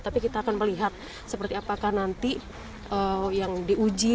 tapi kita akan melihat seperti apakah nanti yang diuji